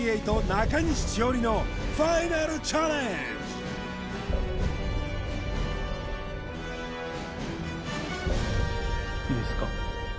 中西智代梨のファイナルチャレンジいいですか？